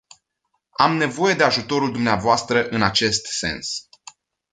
Am nevoie de ajutorul dvs în acest sens.